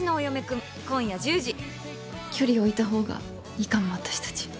距離を置いたほうがいいかも私たち。